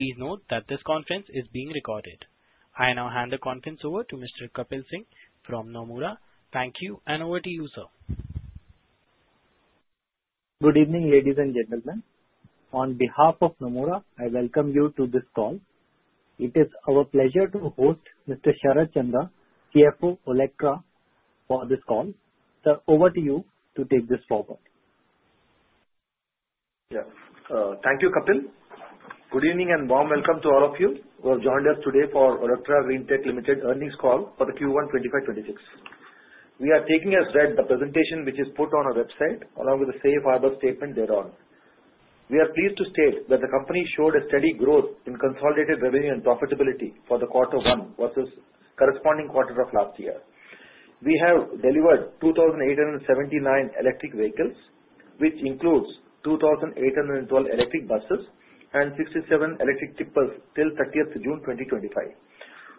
Please note that this conference is being recorded. I now hand the conference over to Mr. Kapil Singh from Nomura. Thank you, and over to you, sir. Good evening, ladies and gentlemen. On behalf of Nomura, I welcome you to this call. It is our pleasure to host Mr. Sharat Chandra, CFO of Olectra, for this call. Sir, over to you to take this forward. Yes. Thank you, Kapil. Good evening and warm welcome to all of you who have joined us today for Olectra Greentech Limited's earnings call for the Q1 25-26. We are taking as read the presentation which is put on our website, along with the Safe Harbor statement thereon. We are pleased to state that the company showed a steady growth in consolidated revenue and profitability for the quarter one versus the corresponding quarter of last year. We have delivered 2,879 electric vehicles, which includes 2,812 electric buses and 67 electric tippers till 30th June 2025.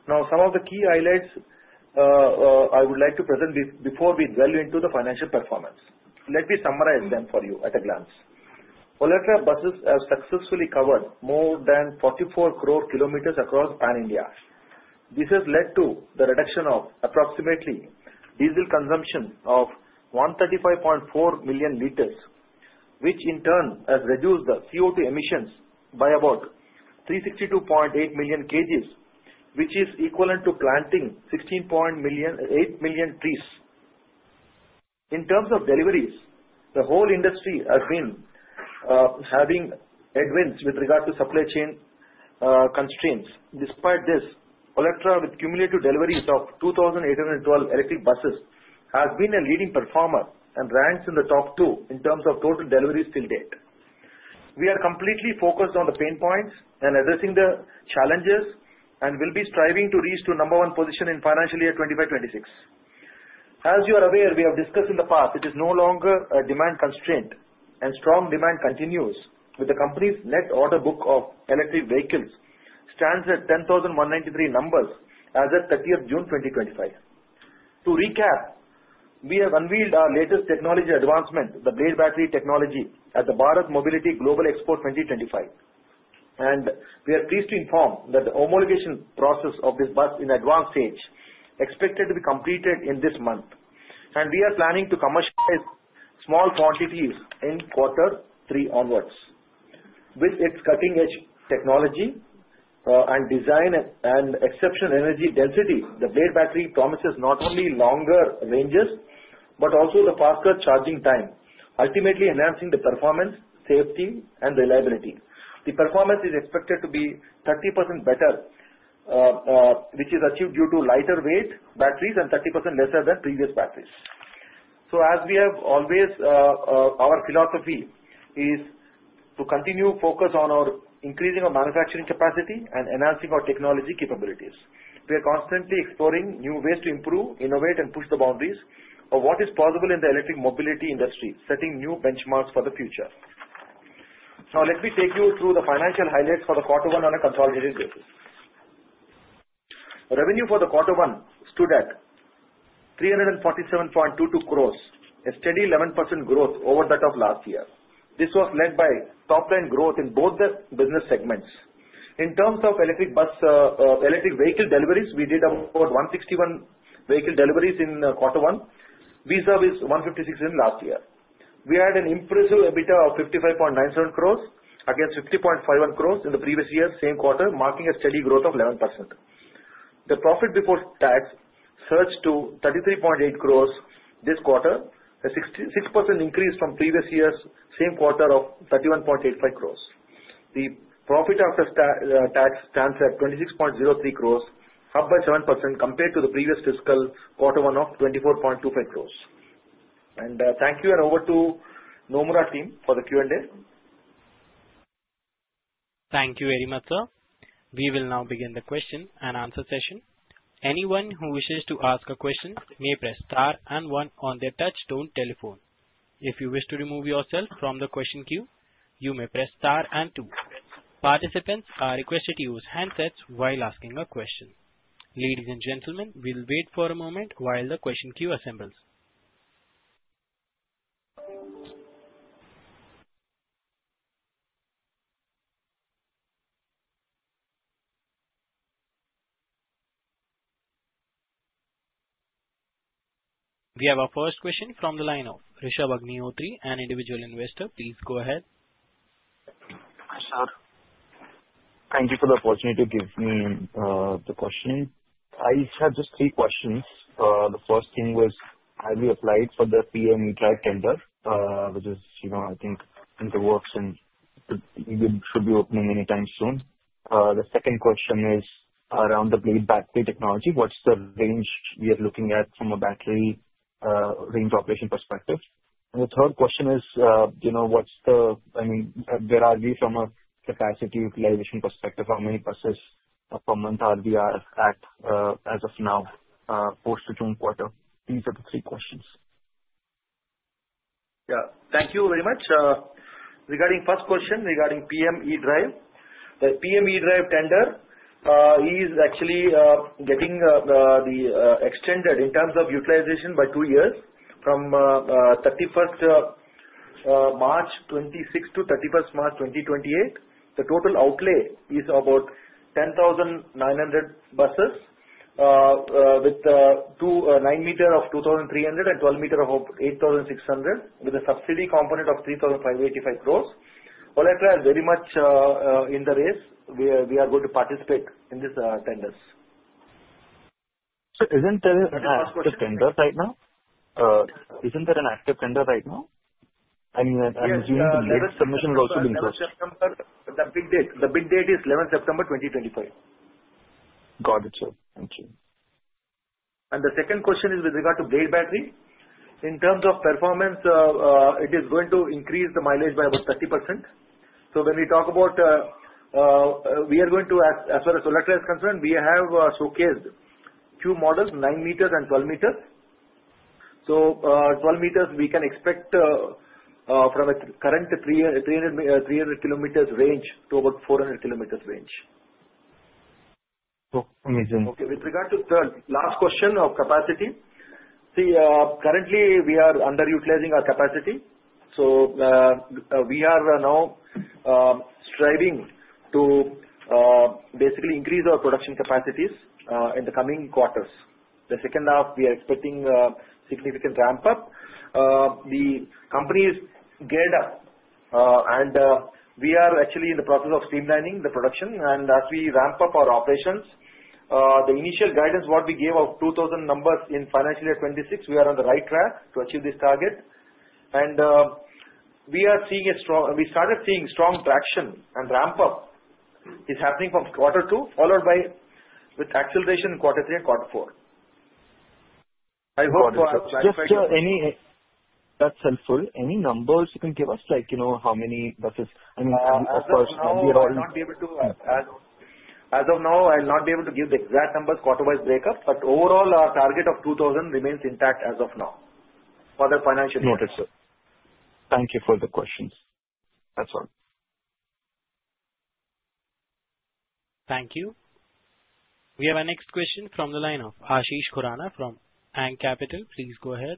Now, some of the key highlights I would like to present before we delve into the financial performance. Let me summarize them for you at a glance. Olectra buses have successfully covered more than 44 crore kilometers across Pan-India. This has led to the reduction of approximately diesel consumption of 135.4 million liters, which in turn has reduced the CO2 emissions by about 362.8 million kg, which is equivalent to planting 16.8 million trees. In terms of deliveries, the whole industry has been advancing with regard to supply chain constraints. Despite this, Olectra, with cumulative deliveries of 2,812 electric buses, has been a leading performer and ranks in the top two in terms of total deliveries till date. We are completely focused on the pain points and addressing the challenges, and we'll be striving to reach the number one position in financial year 25-26. As you are aware, we have discussed in the past, it is no longer a demand constraint, and strong demand continues, with the company's net order book of electric vehicles standing at 10,193 numbers as of 30th June 2025. To recap, we have unveiled our latest technology advancement, the Blade Battery technology, at the Bharat Mobility Global Expo 2025. And we are pleased to inform that the homologation process of this bus is in advanced stage, expected to be completed in this month. And we are planning to commercialize small quantities in quarter three onwards. With its cutting-edge technology and exceptional energy density, the Blade Battery promises not only longer ranges but also the faster charging time, ultimately enhancing the performance, safety, and reliability. The performance is expected to be 30% better, which is achieved due to lighter weight batteries and 30% lesser than previous batteries. So, as we have always, our philosophy is to continue to focus on increasing our manufacturing capacity and enhancing our technology capabilities. We are constantly exploring new ways to improve, innovate, and push the boundaries of what is possible in the electric mobility industry, setting new benchmarks for the future. Now, let me take you through the financial highlights for the quarter one on a consolidated basis. Revenue for the quarter one stood at 347.22 crores, a steady 11% growth over that of last year. This was led by top-line growth in both the business segments. In terms of electric vehicle deliveries, we did about 161 vehicle deliveries in quarter one. Versus 156 last year. We had an impressive EBITDA of 55.97 crores against 50.51 crores in the previous year, same quarter, marking a steady growth of 11%. The profit before tax surged to 33.8 crores this quarter, a 6% increase from previous year's same quarter of 31.85 crores. The profit after tax stands at 26.03 crores, up by 7% compared to the previous fiscal quarter one of 24.25 crores. And thank you, and over to the Nomura team for the Q&A. Thank you very much, sir. We will now begin the question and answer session. Anyone who wishes to ask a question may press star and one on their touch-tone telephone. If you wish to remove yourself from the question queue, you may press star and two. Participants are requested to use handsets while asking a question. Ladies and gentlemen, we'll wait for a moment while the question queue assembles. We have our first question from the line of Rishabh Agnihotri, an individual investor. Please go ahead. Hi, sir. Thank you for the opportunity to give me the question. I have just three questions. The first thing was, have you applied for the PM E-DRIVE tender, which is, I think, in the works and should be opening anytime soon? The second question is around the Blade Battery technology. What's the range we are looking at from a battery range operation perspective? And the third question is, I mean, where are we from a capacity utilization perspective? How many buses per month are we at as of now post-June quarter? These are the three questions. Yeah. Thank you very much. Regarding the first question regarding PM E-DRIVE, the PM E-DRIVE tender is actually getting extended in terms of utilization by two years. From 31st March 2026 to 31st March 2028, the total outlay is about 10,900 buses, with 9 meters of 2,300 and 12 meters of 8,600, with a subsidy component of 3,585 crores. Olectra is very much in the race. We are going to participate in these tenders. Sir, isn't there an active tender right now? I'm assuming the latest submission will also be in quarter. The big date is 11th September 2025. Got it, sir. Thank you. And the second question is with regard to Blade Battery. In terms of performance, it is going to increase the mileage by about 30%. So when we talk about, we are going to, as far as Olectra is concerned, we have showcased two models, 9 meters and 12 meters. So 12 meters, we can expect from a current 300-kilometer range to about 400-kilometer range. Okay. With regard to the last question of capacity, see, currently, we are underutilizing our capacity. So we are now striving to basically increase our production capacities in the coming quarters. The second half, we are expecting a significant ramp-up. The company is geared up, and we are actually in the process of streamlining the production. And as we ramp up our operations, the initial guidance, what we gave of 2,000 numbers in financial year 2026, we are on the right track to achieve this target. And we are seeing a strong, we started seeing strong traction, and ramp-up is happening from quarter two, followed by acceleration in quarter three and quarter four. I hope for our prospects. That's helpful. Any numbers you can give us? Like how many buses? I mean, of course, we are all. As of now, I'll not be able to give the exact numbers, quarter-wise breakup, but overall, our target of 2,000 remains intact as of now for the financial year. Noted, sir. Thank you for the questions. That's all. Thank you. We have a next question from the line of Ashish Khurana from ANG Capital. Please go ahead.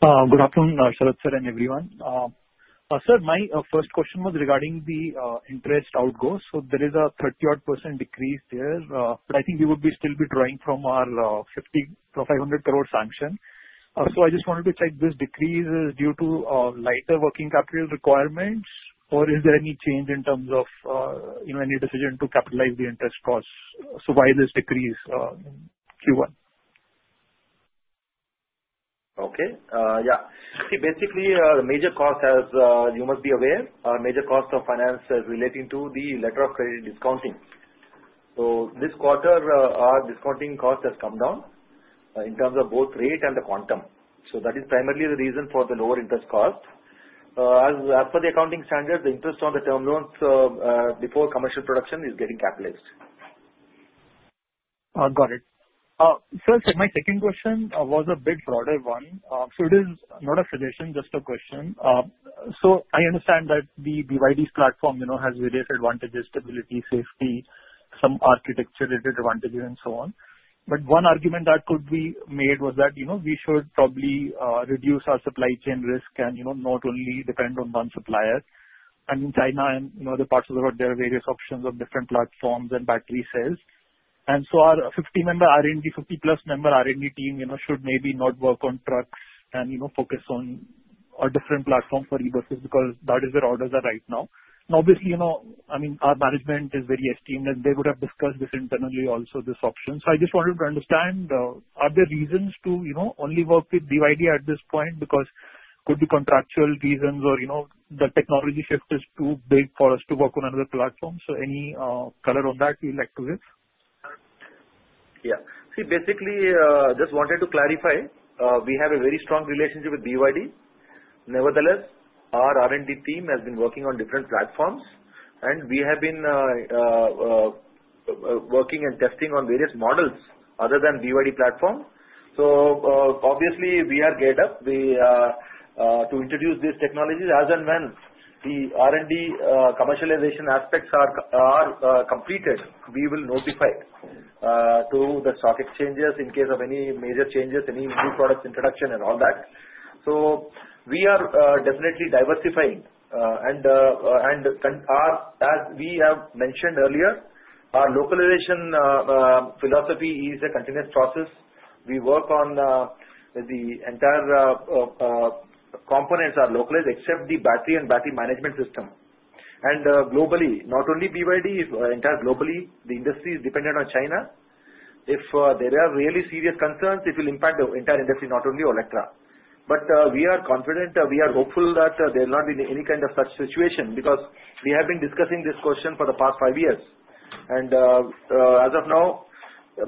Good afternoon, Sharad sir and everyone. Sir, my first question was regarding the interest outgo. So there is a 30-odd% decrease there, but I think we would still be drawing from our 50 crore to 500 crore sanction. So I just wanted to check this decrease is due to lighter working capital requirements, or is there any change in terms of any decision to capitalize the interest costs? So why this decrease in Q1? Okay. Yeah. See, basically, the major cost, as you must be aware, our major cost of finance is relating to the letter of credit discounting, so this quarter, our discounting cost has come down in terms of both rate and the quantum, so that is primarily the reason for the lower interest cost. As for the accounting standards, the interest on the term loans before commercial production is getting capitalized. Got it. Sir, my second question was a bit broader one. So it is not a suggestion, just a question. So I understand that the BYD's platform has various advantages: stability, safety, some architecture-related advantages, and so on. But one argument that could be made was that we should probably reduce our supply chain risk and not only depend on one supplier. I mean, China and other parts of the world, there are various options of different platforms and battery cells. And so our 50-member R&D, 50-plus-member R&D team should maybe not work on trucks and focus on a different platform for e-buses because that is where orders are right now. And obviously, I mean, our management is very esteemed, and they would have discussed this internally also, this option. So I just wanted to understand, are there reasons to only work with BYD at this point? Because it could be contractual reasons or the technology shift is too big for us to work on another platform. So any color on that you'd like to give? Yeah. See, basically, I just wanted to clarify. We have a very strong relationship with BYD. Nevertheless, our R&D team has been working on different platforms, and we have been working and testing on various models other than BYD platform. So obviously, we are geared up to introduce these technologies. As and when the R&D commercialization aspects are completed, we will notify the stock exchanges in case of any major changes, any new product introduction, and all that. So we are definitely diversifying. And as we have mentioned earlier, our localization philosophy is a continuous process. We work on the entire components are localized, except the battery and battery management system. And globally, not only BYD, entire globally, the industry is dependent on China. If there are really serious concerns, it will impact the entire industry, not only Olectra. But we are confident, we are hopeful that there will not be any kind of such situation because we have been discussing this question for the past five years. And as of now,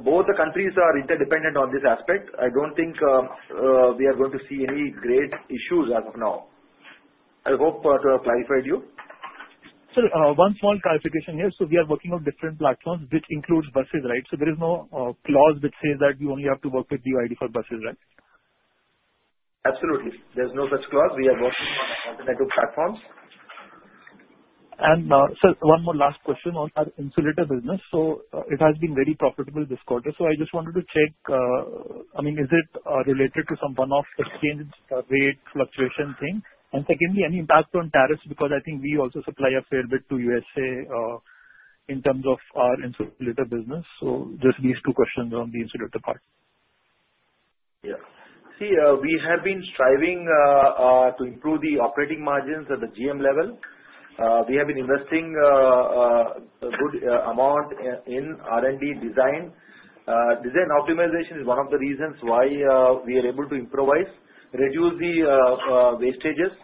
both the countries are interdependent on this aspect. I don't think we are going to see any great issues as of now. I hope to have clarified you. Sir, one small clarification here. So we are working on different platforms, which includes buses, right? So there is no clause which says that you only have to work with BYD for buses, right? Absolutely. There's no such clause. We are working on alternative platforms. Sir, one more last question on our insulator business. So it has been very profitable this quarter. So I just wanted to check, I mean, is it related to some one-off exchange rate fluctuation thing? And secondly, any impact on tariffs? Because I think we also supply a fair bit to USA in terms of our insulator business. So just these two questions on the insulator part. Yeah. See, we have been striving to improve the operating margins at the GM level. We have been investing a good amount in R&D design. Design optimization is one of the reasons why we are able to improve, reduce the wastes,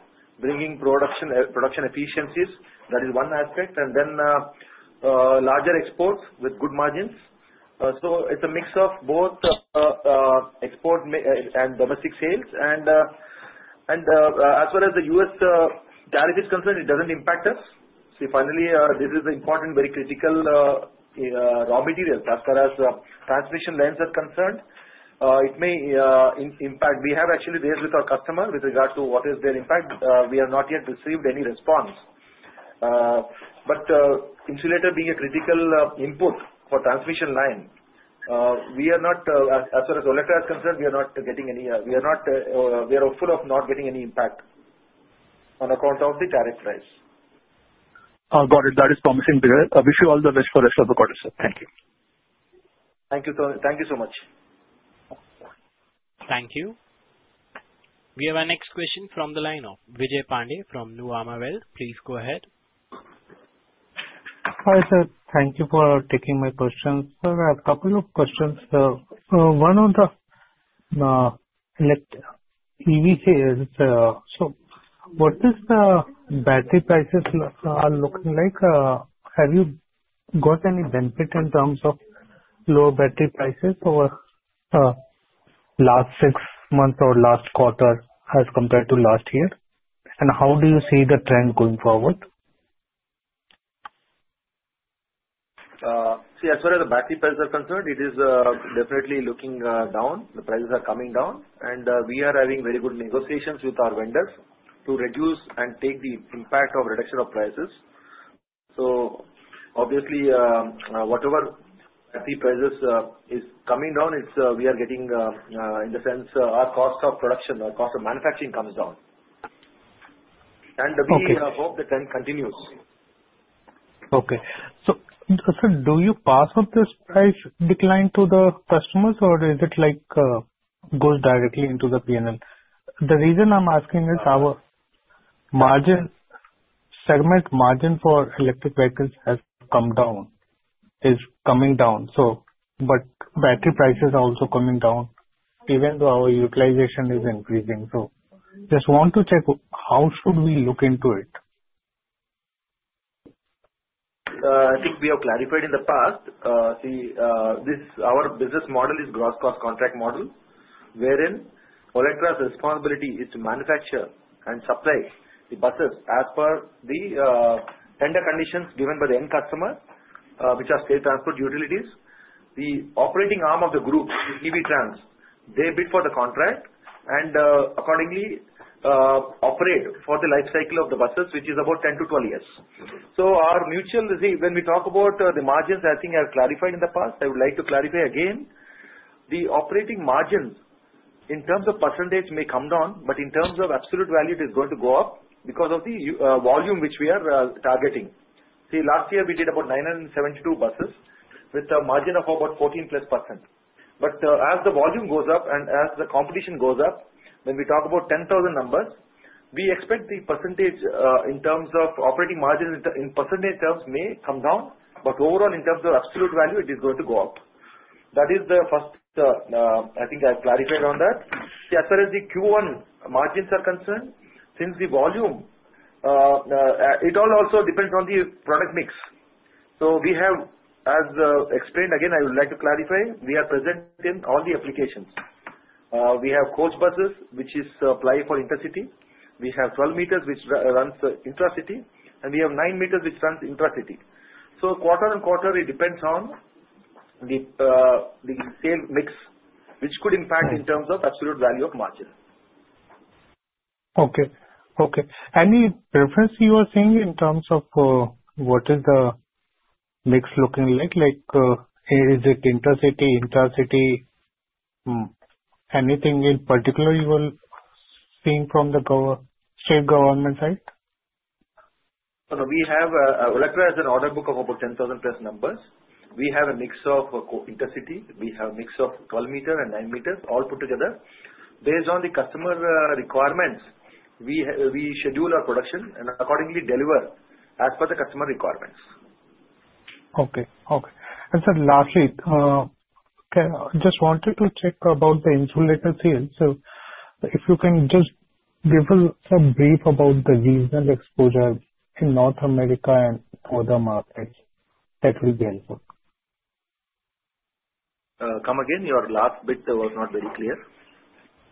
bringing production efficiencies. That is one aspect. And then larger exports with good margins. So it's a mix of both export and domestic sales. And as far as the US tariff is concerned, it doesn't impact us. See, finally, this is an important, very critical raw material. As far as transmission lines are concerned, it may impact. We have actually raised with our customer with regard to what is their impact. We have not yet received any response. But insulator being a critical input for transmission line, we are not, as far as Olectra is concerned, fully not getting any impact on account of the tariff price. Got it. That is promising. I wish you all the best for the rest of the quarter, sir. Thank you. Thank you so much. Thank you. We have a next question from the line of Vijay Pandey from Nuvama Wealth. Please go ahead. Hi, sir. Thank you for taking my questions. Sir, I have a couple of questions. One on the EV sales. So what is the battery prices are looking like? Have you got any benefit in terms of lower battery prices over last six months or last quarter as compared to last year? And how do you see the trend going forward? See, as far as the battery prices are concerned, it is definitely looking down. The prices are coming down, and we are having very good negotiations with our vendors to reduce and take the impact of reduction of prices. So obviously, whatever battery prices is coming down, we are getting, in the sense, our cost of production, our cost of manufacturing comes down, and we hope the trend continues. Okay. So sir, do you pass on this price decline to the customers, or is it goes directly into the P&L? The reason I'm asking is our segment margin for electric vehicles has come down, is coming down. But battery prices are also coming down, even though our utilization is increasing. So just want to check how should we look into it? I think we have clarified in the past. See, our business model is gross cost contract model, wherein Olectra's responsibility is to manufacture and supply the buses as per the tender conditions given by the end customer, which are state transport utilities. The operating arm of the group, Evey Trans, they bid for the contract and accordingly operate for the lifecycle of the buses, which is about 10-12 years. So our mutual, see, when we talk about the margins, I think I have clarified in the past. I would like to clarify again. The operating margins in terms of percentage may come down, but in terms of absolute value, it is going to go up because of the volume which we are targeting. See, last year, we did about 972 buses with a margin of about 14+%. But as the volume goes up and as the competition goes up, when we talk about 10,000 numbers, we expect the percentage in terms of operating margin in percentage terms may come down. But overall, in terms of absolute value, it is going to go up. That is the first. I think I've clarified on that. As far as the Q1 margins are concerned, since the volume, it all also depends on the product mix. So we have, as explained again, I would like to clarify, we are present in all the applications. We have coach buses, which is applied for intercity. We have 12 meters, which runs the intra-city, and we have nine meters, which runs intra-city. So quarter on quarter, it depends on the sales mix, which could impact in terms of absolute value of margin. Okay. Any preference you are seeing in terms of what is the mix looking like? Is it intercity, intra-city? Anything in particular you are seeing from the state government side? We have Olectra as an order book of about 10,000-plus numbers. We have a mix of intercity. We have a mix of 12 meters and nine meters, all put together. Based on the customer requirements, we schedule our production and accordingly deliver as per the customer requirements. Okay. And sir, lastly, I just wanted to check about the insulator sales. So if you can just give us a brief about the regional exposure in North America and other markets, that will be helpful. Come again? Your last bit was not very clear.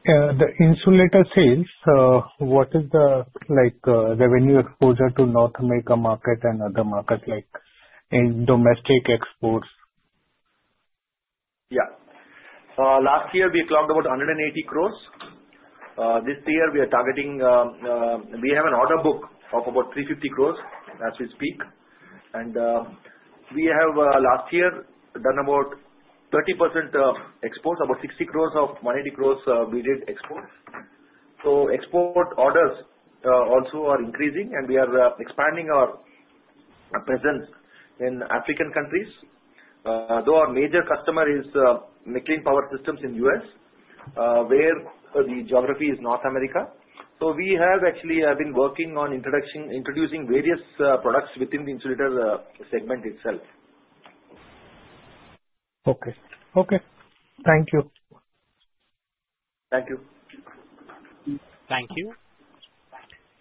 Yeah. The insulator sales, what is the revenue exposure to North America market and other markets, like domestic exports? Yeah. Last year, we clocked about 180 crores. This year, we are targeting, we have an order book of about 350 crores as we speak. And we have, last year, done about 30% exports, about 60 crores of 180 crores we did export, so export orders also are increasing, and we are expanding our presence in African countries. Though our major customer is MacLean Power Systems in the U.S., where the geography is North America, so we have actually been working on introducing various products within the insulator segment itself. Okay. Okay. Thank you. Thank you. Thank you.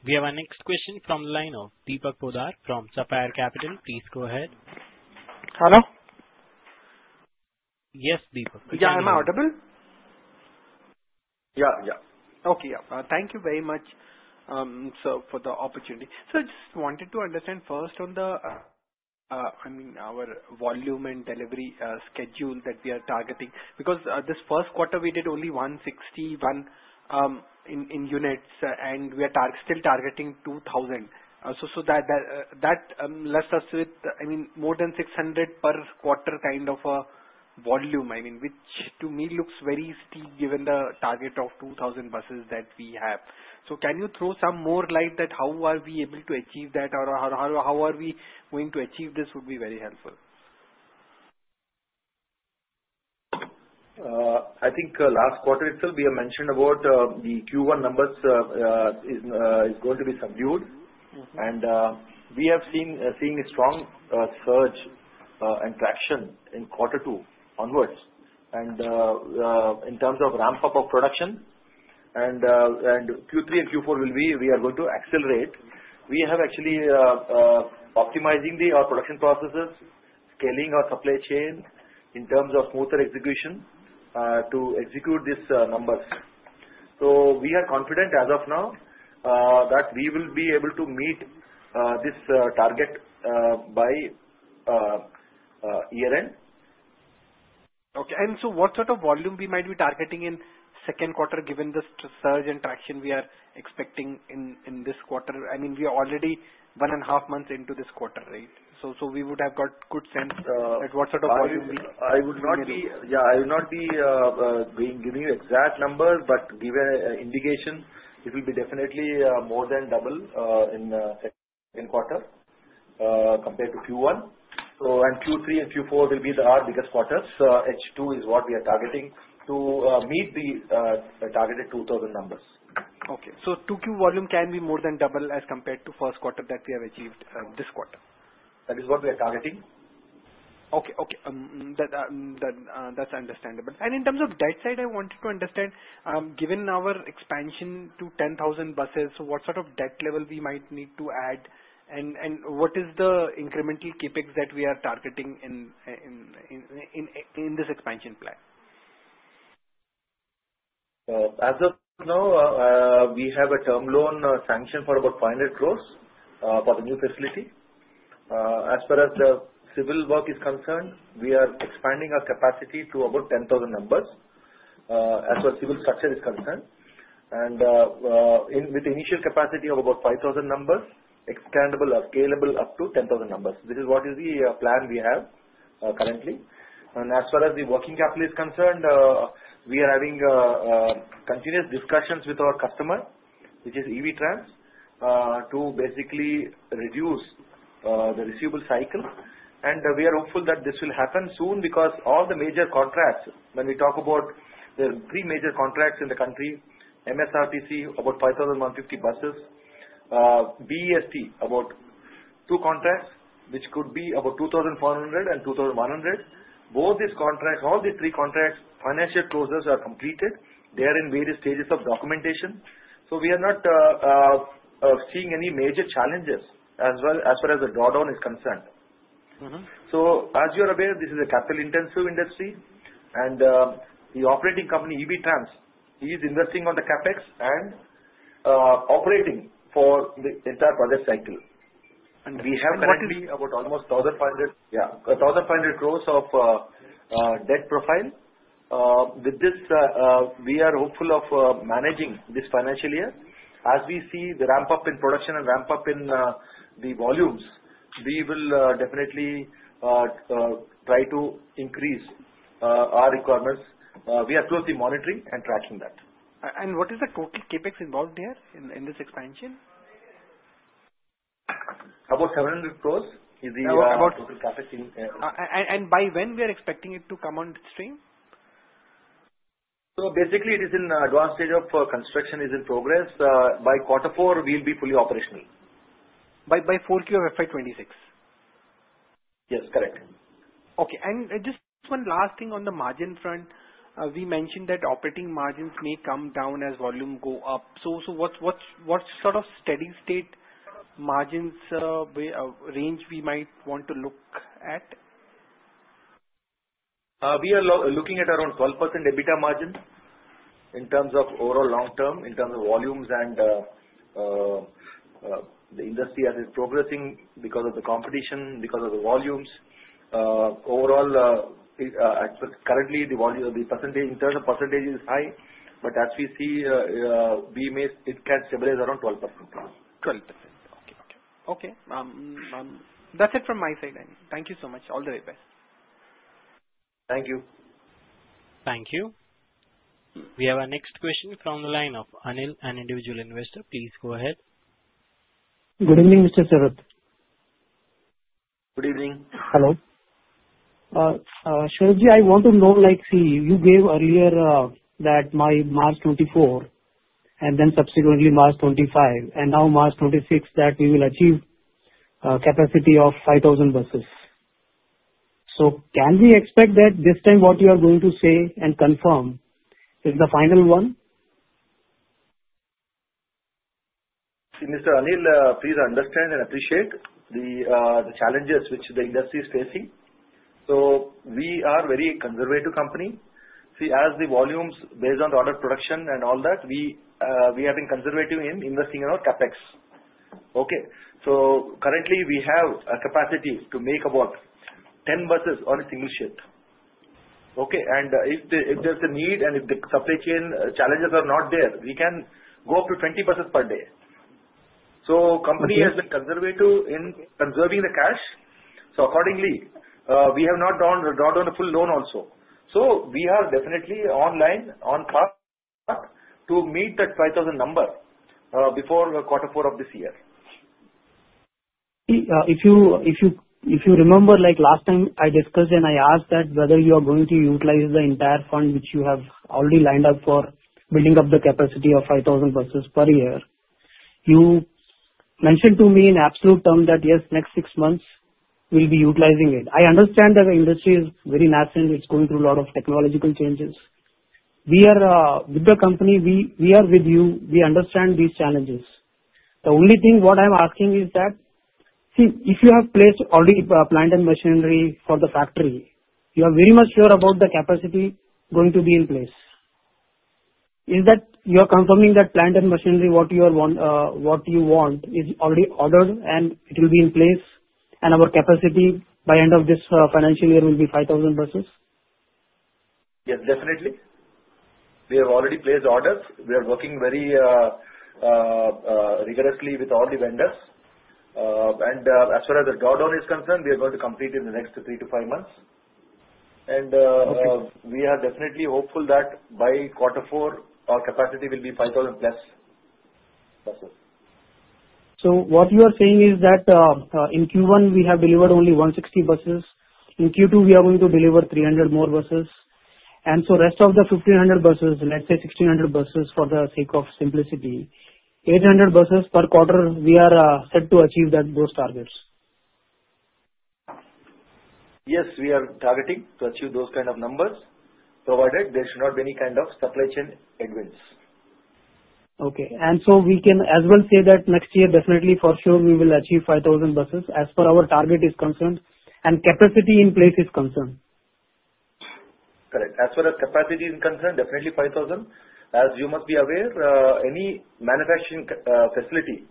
We have a next question from the line of Deepak Poddar from Sapphire Capital. Please go ahead. Hello? Yes, Deepak. Yeah. Am I audible? Yeah. Yeah. Okay. Yeah. Thank you very much, sir, for the opportunity. Sir, I just wanted to understand first on the, I mean, our volume and delivery schedule that we are targeting. Because this first quarter, we did only 161 units, and we are still targeting 2,000. So that leaves us with, I mean, more than 600 per quarter kind of volume, I mean, which to me looks very steep given the target of 2,000 buses that we have. So can you throw some more light that how are we able to achieve that, or how are we going to achieve this? It would be very helpful. I think last quarter, it's still, we have mentioned about the Q1 numbers is going to be subdued, and we have seen a strong surge and traction in quarter two onwards, and in terms of ramp-up of production, and Q3 and Q4 will be, we are going to accelerate. We have actually optimized our production processes, scaling our supply chain in terms of smoother execution to execute these numbers, so we are confident as of now that we will be able to meet this target by year-end. Okay. And so what sort of volume we might be targeting in second quarter, given the surge and traction we are expecting in this quarter? I mean, we are already one and a half months into this quarter, right? So we would have got a good sense at what sort of volume we. I would not be giving you exact numbers, but give you an indication. It will be definitely more than double in second quarter compared to Q1. And Q3 and Q4 will be our biggest quarters. So H2 is what we are targeting to meet the targeted 2,000 numbers. Okay. So 2Q volume can be more than double as compared to first quarter that we have achieved this quarter? That is what we are targeting. Okay. Okay. That's understandable. And in terms of debt side, I wanted to understand, given our expansion to 10,000 buses, what sort of debt level we might need to add, and what is the incremental CapEx that we are targeting in this expansion plan? As of now, we have a term loan sanction for about 500 crores for the new facility. As far as the civil work is concerned, we are expanding our capacity to about 10,000 numbers, as well as civil structure is concerned. And with initial capacity of about 5,000 numbers, expandable or scalable up to 10,000 numbers. This is what is the plan we have currently. And as far as the working capital is concerned, we are having continuous discussions with our customer, which is Evey Trans, to basically reduce the receivable cycle. And we are hopeful that this will happen soon because all the major contracts, when we talk about there are three major contracts in the country: MSRTC, about 5,150 buses. BEST, about two contracts, which could be about 2,400 and 2,100. Both these contracts, all these three contracts, financial closures are completed. They are in various stages of documentation. So we are not seeing any major challenges as far as the drawdown is concerned. So as you are aware, this is a capital-intensive industry. And the operating company, Evey Trans, is investing on the capex and operating for the entire project cycle. And what is the? We have currently about almost 1,500, yeah, 1,500 crores of debt profile. With this, we are hopeful of managing this financial year. As we see the ramp-up in production and ramp-up in the volumes, we will definitely try to increase our requirements. We are closely monitoring and tracking that. What is the total CapEx involved here in this expansion? About 700 crores is the total CapEx in. By when are we expecting it to come on stream? So basically, it is in the advanced stage of construction, is in progress. By quarter four, we'll be fully operational. By 4Q of FY26? Yes. Correct. Okay. And just one last thing on the margin front. We mentioned that operating margins may come down as volume goes up. So what sort of steady-state margins range we might want to look at? We are looking at around 12% EBITDA margin in terms of overall long-term, in terms of volumes, and the industry as it's progressing because of the competition, because of the volumes. Overall, currently, the percentage in terms of percentage is high. But as we see, it can stabilize around 12%. 12%. Okay. Okay. Okay. That's it from my side. Thank you so much. All the very best. Thank you. Thank you. We have a next question from the line of Anil, an individual investor. Please go ahead. Good evening, Mr. Sharat. Good evening. Hello. Sharatji, I want to know, see, you gave earlier that by March 2024 and then subsequently March 2025 and now March 2026 that we will achieve capacity of 5,000 buses. So can we expect that this time what you are going to say and confirm is the final one? Mr. Anil, please understand and appreciate the challenges which the industry is facing. So we are a very conservative company. See, as the volumes based on the order production and all that, we have been conservative in investing in our CapEx. Okay. So currently, we have a capacity to make about 10 buses on a single shift. Okay. And if there's a need and if the supply chain challenges are not there, we can go up to 20 buses per day. So the company has been conservative in conserving the cash. So accordingly, we have not drawn a full loan also. So we are definitely online, on track to meet that 5,000 number before quarter four of this year. If you remember, last time I discussed and I asked that whether you are going to utilize the entire fund which you have already lined up for building up the capacity of 5,000 buses per year, you mentioned to me in absolute terms that, yes, next six months we'll be utilizing it. I understand that the industry is very nascent. It's going through a lot of technological changes. With the company, we are with you. We understand these challenges. The only thing what I'm asking is that, see, if you have placed already plant and machinery for the factory, you are very much sure about the capacity going to be in place. Is that you are confirming that plant and machinery, what you want, is already ordered and it will be in place, and our capacity by end of this financial year will be 5,000 buses? Yes, definitely. We have already placed orders. We are working very rigorously with all the vendors. And as far as the drawdown is concerned, we are going to complete it in the next three to five months. And we are definitely hopeful that by quarter four, our capacity will be 5,000-plus buses. So what you are saying is that in Q1, we have delivered only 160 buses. In Q2, we are going to deliver 300 more buses. And so the rest of the 1,500 buses, let's say 1,600 buses for the sake of simplicity, 800 buses per quarter, we are set to achieve those targets? Yes, we are targeting to achieve those kind of numbers, provided there should not be any kind of supply chain advance. Okay. And so we can as well say that next year, definitely, for sure, we will achieve 5,000 buses as per our target is concerned and capacity in place is concerned. Correct. As far as capacity is concerned, definitely 5,000. As you must be aware, any manufacturing facility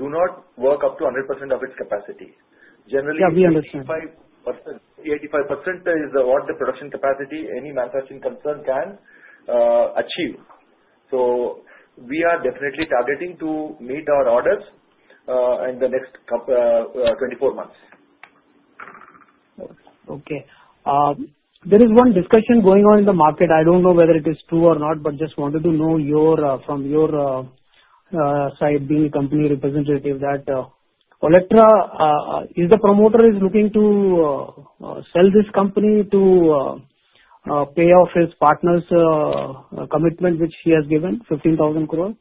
does not work up to 100% of its capacity. Generally, 85% is what the production capacity any manufacturing concern can achieve. So we are definitely targeting to meet our orders in the next 24 months. Okay. There is one discussion going on in the market. I don't know whether it is true or not, but just wanted to know from your side, being a company representative, that Olectra, is the promoter looking to sell this company to pay off his partner's commitment which he has given, 15,000 crores?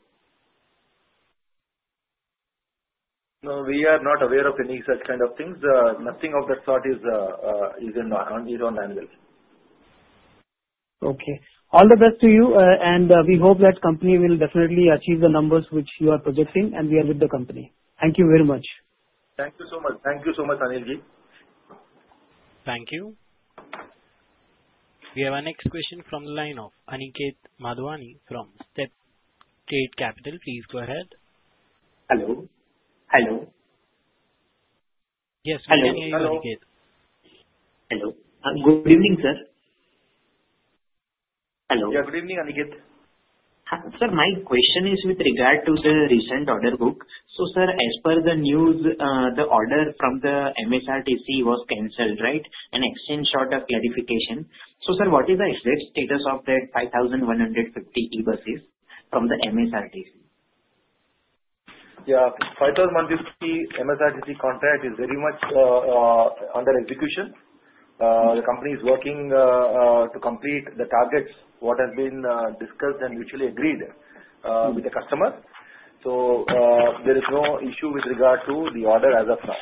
No, we are not aware of any such kind of things. Nothing of that sort is on his own handle. Okay. All the best to you, and we hope that the company will definitely achieve the numbers which you are projecting, and we are with the company. Thank you very much. Thank you so much. Thank you so much, Anilji. Thank you. We have a next question from the line of Aniket Madhvani from StepTrade Capital. Please go ahead. Hello. Yes. Good evening, Aniket. Hello. Hello. Good evening, sir. Yeah. Good evening, Aniket. Sir, my question is with regard to the recent order book. So sir, as per the news, the order from the MSRTC was canceled, right? And I need a short clarification. So sir, what is the exact status of that 5,150 E-buses from the MSRTC? Yeah. The 5,150 MSRTC contract is very much under execution. The company is working to complete the targets, what has been discussed and mutually agreed with the customer, so there is no issue with regard to the order as of now,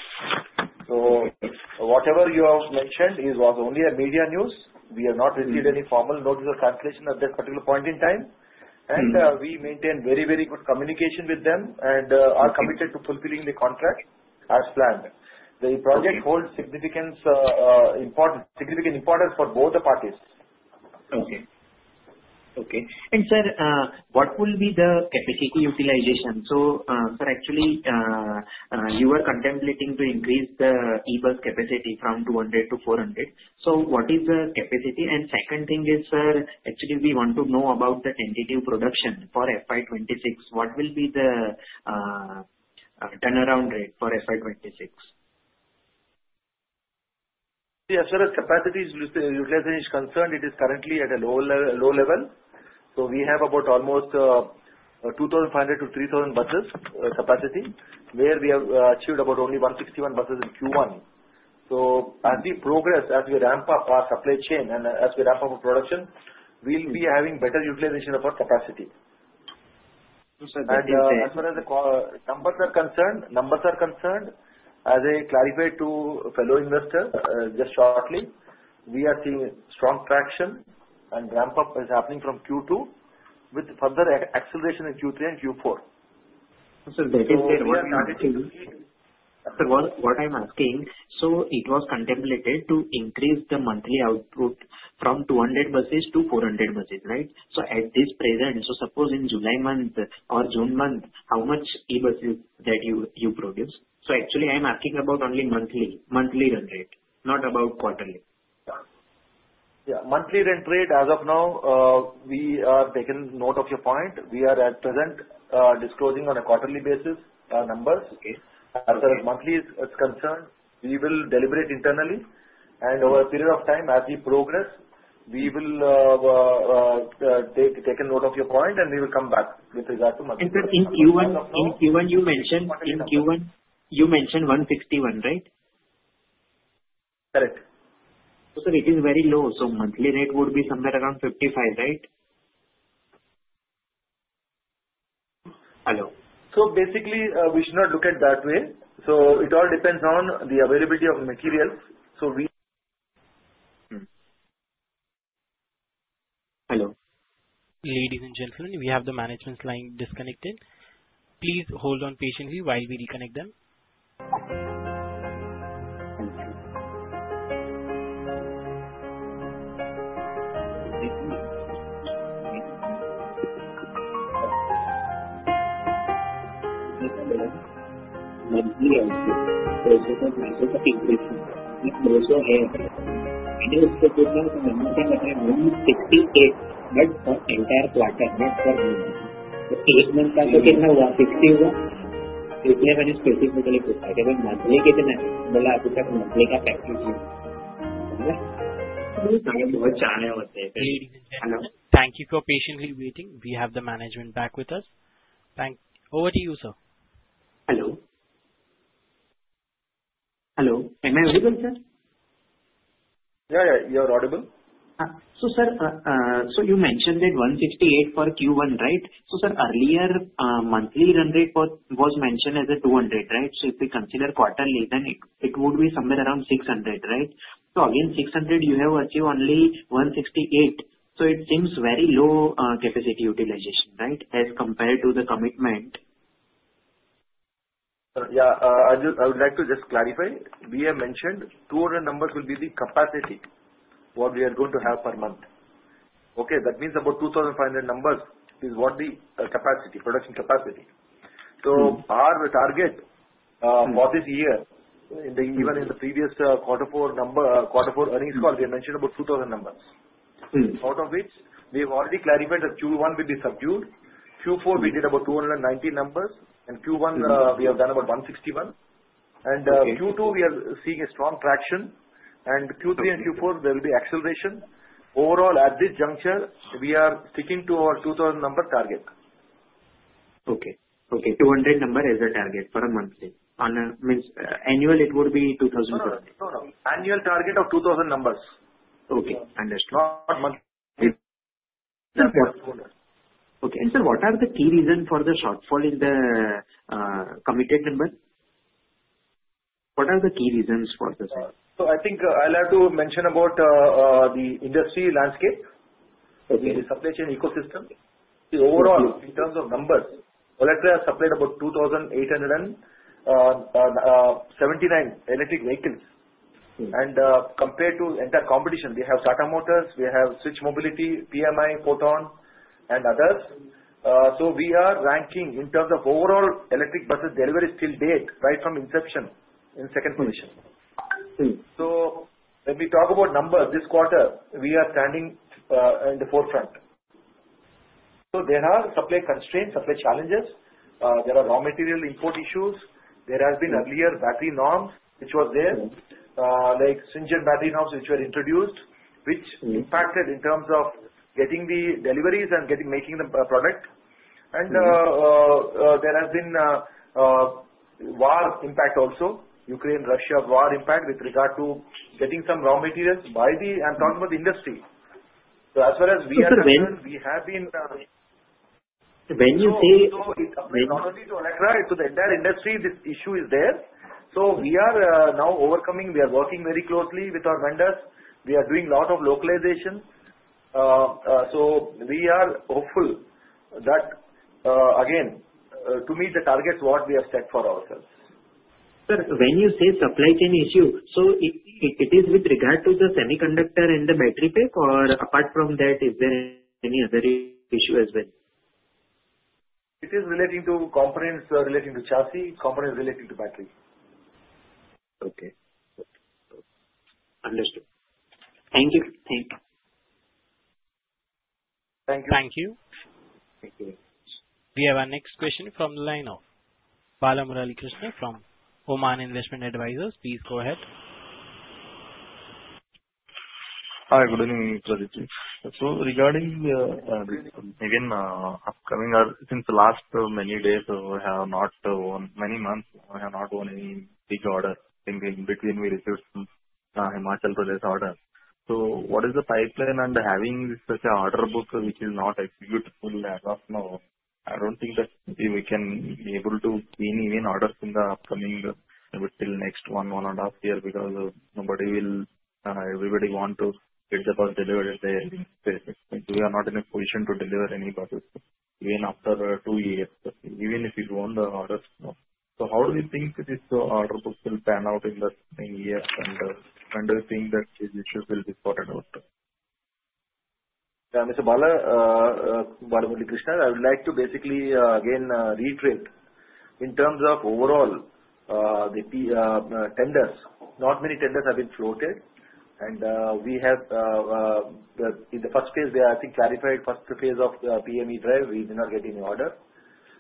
so whatever you have mentioned was only a media news. We have not received any formal notice of cancellation at this particular point in time, and we maintain very, very good communication with them and are committed to fulfilling the contract as planned. The project holds significant importance for both the parties. Okay. And sir, what will be the capacity utilization? So sir, actually, you are contemplating to increase the E-bus capacity from 200 to 400. So what is the capacity? And second thing is, sir, actually, we want to know about the tentative production for FY26. What will be the turnaround rate for FY26? Yeah. So as capacity utilization is concerned, it is currently at a low level. So we have about almost 2,500-3,000 buses capacity, where we have achieved about only 161 buses in Q1. So as we progress, as we ramp up our supply chain and as we ramp up our production, we'll be having better utilization of our capacity. So sir, did you say? As far as the numbers are concerned, as I clarified to fellow investors just shortly, we are seeing strong traction, and ramp-up is happening from Q2 with further acceleration in Q3 and Q4. So sir, what I'm asking, so it was contemplated to increase the monthly output from 200 buses to 400 buses, right? So at present, so suppose in July month or June month, how much E-buses that you produce? So actually, I'm asking about only monthly run rate, not about quarterly. Yeah. Monthly rent rate, as of now, we are taking note of your point. We are at present disclosing on a quarterly basis our numbers. As far as monthly is concerned, we will deliberate internally. And over a period of time, as we progress, we will take note of your point, and we will come back with regard to monthly. In Q1, you mentioned 161, right? Correct. So sir, it is very low. So monthly rate would be somewhere around 55, right? Hello. So basically, we should not look at that way. So it all depends on the availability of materials. So we. Hello. Ladies and gentlemen, we have the management line disconnected. Please hold on patiently while we reconnect them. Hello. Thank you for patiently waiting. We have the management back with us. Over to you, sir. Hello. Hello. Am I audible, sir? Yeah. You're audible. So sir, so you mentioned that 168 for Q1, right? So sir, earlier, monthly rent rate was mentioned as a 200, right? So if we consider quarterly, then it would be somewhere around 600, right? So again, 600, you have achieved only 168. So it seems very low capacity utilization, right, as compared to the commitment. Yeah. I would like to just clarify. We have mentioned 200 numbers will be the capacity what we are going to have per month. Okay. That means about 2,500 numbers is what the capacity, production capacity. So our target for this year, even in the previous quarter four earnings call, we mentioned about 2,000 numbers. Out of which, we have already clarified that Q1 will be subdued. Q4, we did about 290 numbers. And Q1, we have done about 161. And Q2, we are seeing a strong traction. And Q3 and Q4, there will be acceleration. Overall, at this juncture, we are sticking to our 2,000 number target. Okay. 200 number as a target for a monthly. Means annual, it would be 2,000. No. No. No. Annual target of 2,000 numbers. Okay. Understood. Not monthly. Okay. And sir, what are the key reasons for the shortfall in the committed number? What are the key reasons for this? I think I'll have to mention about the industry landscape, the supply chain ecosystem. Overall, in terms of numbers, Olectra has supplied about 2,879 electric vehicles. Compared to entire competition, we have Tata Motors, we have Switch Mobility, PMI, Foton, and others. We are ranking in terms of overall electric buses deliveries to date, right from inception in second position. When we talk about numbers this quarter, we are standing in the forefront. There are supply constraints, supply challenges. There are raw material import issues. There have been earlier battery norms which were there, like stringent battery norms which were introduced, which impacted in terms of getting the deliveries and making the product. There has been war impact also, Ukraine, Russia war impact with regard to getting some raw materials by the industry. I'm talking about the industry. As far as we are concerned, we have been. When you say. Not only to Olectra, to the entire industry, this issue is there, so we are now overcoming. We are working very closely with our vendors. We are doing a lot of localization, so we are hopeful that, again, to meet the targets what we have set for ourselves. Sir, when you say supply chain issue, so it is with regard to the semiconductor and the battery pack, or apart from that, is there any other issue as well? It is relating to components relating to chassis, components relating to battery. Okay. Understood. Thank you. Thank you. Thank you. Thank you. We have a next question from the line of Bala Murali Krishna from Oman Investment Advisors. Please go ahead. Hi. Good evening, Sharatji. So regarding again upcoming, since the last many months, we have not won any big order. In between, we received some Himachal Pradesh orders. So what is the pipeline and having such an order book which is not executable as of now? I don't think that we can be able to gain even orders in the upcoming within the next one and a half years because nobody will. Everybody wants to get the bus delivered in the space. We are not in a position to deliver any buses even after two years, even if we won the orders. So how do you think this order book will pan out in the coming years? And when do you think that these issues will be sorted out? Yeah. Mr. Bala Murali Krishna, I would like to basically again retrace in terms of overall the tenders. Not many tenders have been floated. And we have in the first phase, I think clarified first phase of PM E-DRIVE, we did not get any order.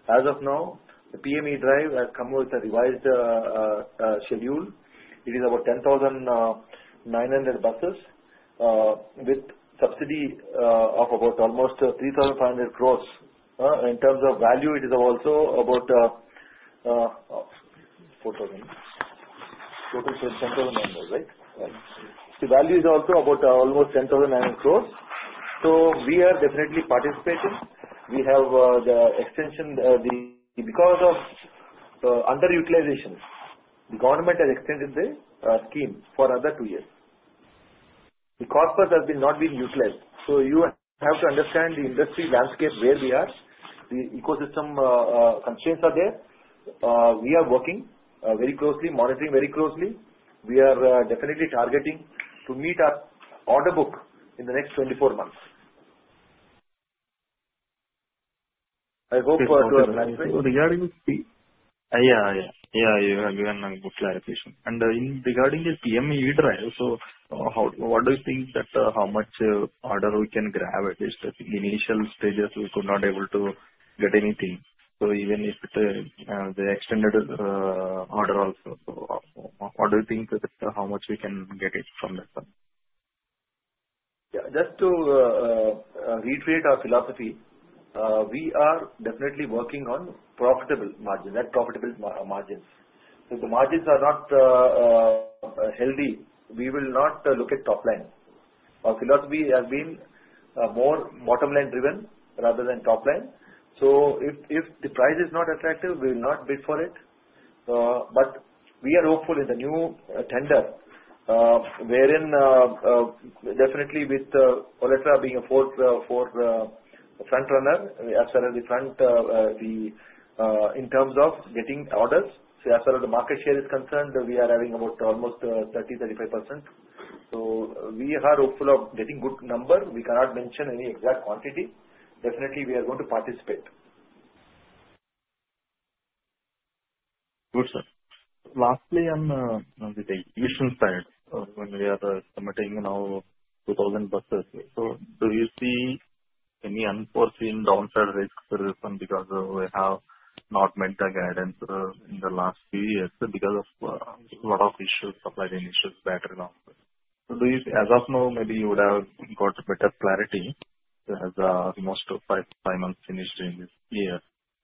As of now, the PM E-DRIVE has come with a revised schedule. It is about 10,900 buses with subsidy of about almost 3,500 crores. In terms of value, it is also about 4,000 total for 10,000 numbers, right? The value is also about almost 10,900 crores. So we are definitely participating. We have the extension because of underutilization. The government has extended the scheme for another two years. The cost has not been utilized. So you have to understand the industry landscape where we are. The ecosystem constraints are there. We are working very closely, monitoring very closely. We are definitely targeting to meet our order book in the next 24 months. I hope to have an answer. Yeah. Yeah. You have given a good clarification. Regarding the PM E-DRIVE, so what do you think that how much order we can grab at least in the initial stages we could not be able to get anything? So even if the extended order also, what do you think that how much we can get it from that? Yeah. Just to retrace our philosophy, we are definitely working on profitable margins, net profitable margins. If the margins are not healthy, we will not look at top line. Our philosophy has been more bottom-line driven rather than top line. So if the price is not attractive, we will not bid for it. But we are hopeful in the new tender, wherein definitely with Olectra being a fourth front runner, as well as the front in terms of getting orders. So as far as the market share is concerned, we are having about almost 30-35%. So we are hopeful of getting good numbers. We cannot mention any exact quantity. Definitely, we are going to participate. Good, sir. Lastly, on the issue side, when we are submitting now 2,000 buses, so do you see any unforeseen downside risks because we have not met the guidance in the last few years because of a lot of issues, supply chain issues, battery loss? So as of now, maybe you would have got better clarity as most of five months finished in this year.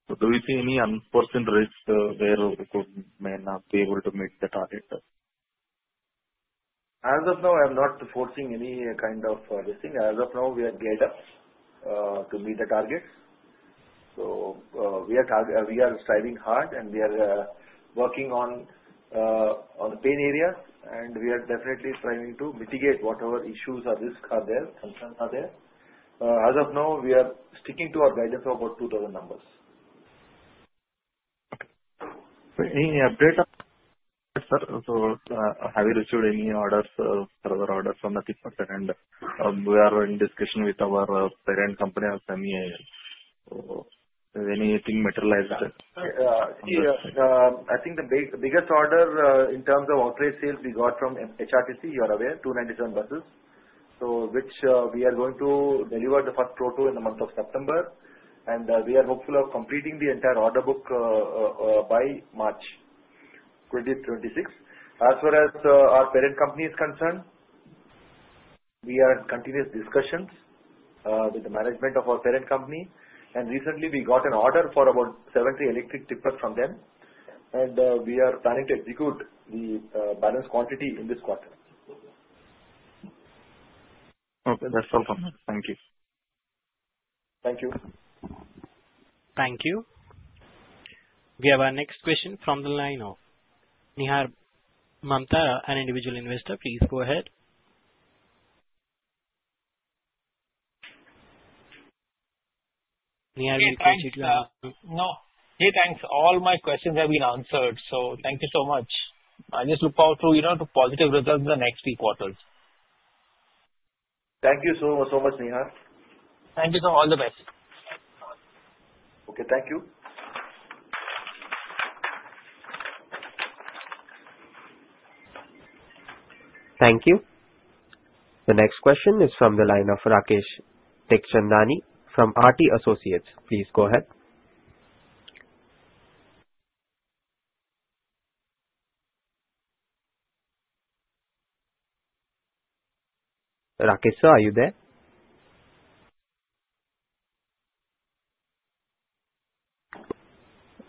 So do you see any unforeseen risks where we may not be able to meet the target? As of now, I'm not forcing any kind of this thing. As of now, we are geared up to meet the targets, so we are striving hard, and we are working on the pain areas, and we are definitely trying to mitigate whatever issues or risks are there, concerns are there. As of now, we are sticking to our guidance of about 2,000 numbers. Okay. Any update, sir? So have you received any orders, further orders from the team? And we are in discussion with our parent company, MEIL. So has anything materialized? Yes. I think the biggest order in terms of outright sales we got from HRTC, you are aware, 297 buses, which we are going to deliver the first prototype in the month of September. And we are hopeful of completing the entire order book by March 2026. As far as our parent company is concerned, we are in continuous discussions with the management of our parent company. And recently, we got an order for about 70 electric tippers from them. And we are planning to execute the balance quantity in this quarter. Okay. That's all from me. Thank you. Thank you. Thank you. We have our next question from the line of Nihar Mamtora, an individual investor. Please go ahead. Nihar, will you proceed to your? No. Hey, thanks. All my questions have been answered. So thank you so much. I just look forward to positive results in the next few quarters. Thank you so much, Nihar. Thank you, sir. All the best. Okay. Thank you. Thank you. The next question is from the line of Rakesh Tekchandani from RT Associates. Please go ahead. Rakesh sir, are you there?